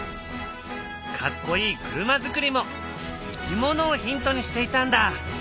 かっこいい車づくりもいきものをヒントにしていたんだ。